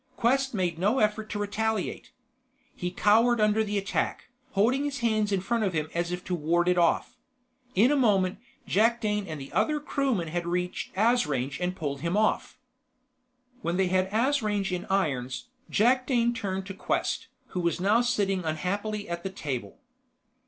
Quest made no effort to retaliate. He cowered under the attack, holding his hands in front of him as if to ward it off. In a moment, Jakdane and the other crewman had reached Asrange and pulled him off. When they had Asrange in irons, Jakdane turned to Quest, who was now sitting unhappily at the table.